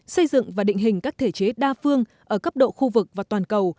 xây dựng và định hình các thể chế đa phương ở cấp độ khu vực và toàn cầu